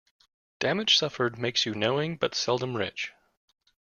Damage suffered makes you knowing, but seldom rich.